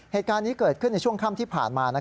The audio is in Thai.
เหตุการณ์นี้เกิดขึ้นในช่วงค่ำที่ผ่านมา